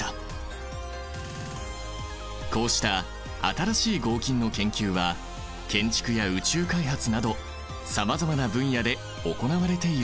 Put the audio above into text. こうした新しい合金の研究は建築や宇宙開発などさまざまな分野で行われているんだ。